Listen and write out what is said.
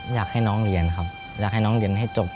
อยากให้น้องเรียนครับอยากให้น้องเรียนให้จบ